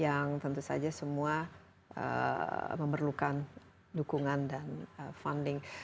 yang tentu saja semua memerlukan dukungan dan funding